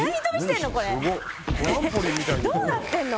どうなってんの？